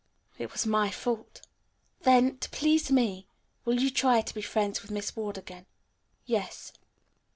It was my fault." "Then, to please me, will you try to be friends with Miss Ward again?" "Yes."